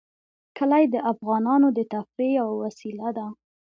کلي د افغانانو د تفریح یوه وسیله ده.